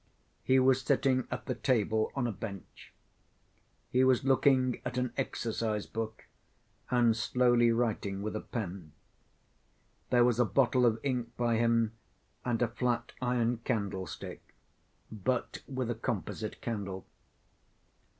He was sitting at the table on a bench. He was looking at an exercise‐book and slowly writing with a pen. There was a bottle of ink by him and a flat iron candlestick, but with a composite candle.